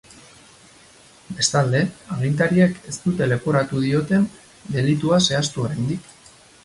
Bestalde, agintariek ez dute leporatu dioten delitua zehaztu oraindik.